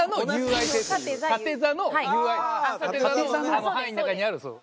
あの範囲の中にあるそう。